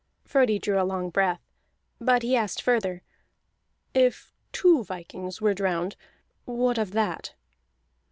Frodi drew a long breath, but he asked further: "If two vikings were drowned, what of that?"